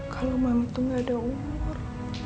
kalau mami tuh gak ada umur